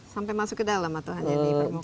sampai masuk ke dalam atau hanya di permukaan